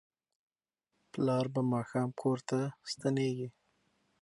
پلار به ماښام کور ته ستنیږي.